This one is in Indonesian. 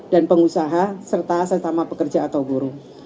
dan pengusaha serta sesama pekerja atau buruh